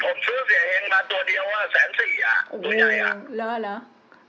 ผมซื้อเสียเฮงมาตัวเดียวอ่ะแสนสี่อ่ะตัวใหญ่อ่ะล้อเหรอ